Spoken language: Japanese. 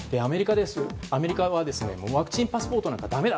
アメリカはワクチンパスポートなんかだめだ。